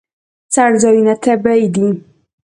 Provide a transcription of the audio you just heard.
څړځایونه طبیعي دي.